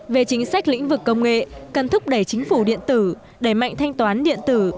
về chính sách lĩnh vực công nghệ cần thúc đẩy chính phủ điện tử đẩy mạnh thanh toán điện tử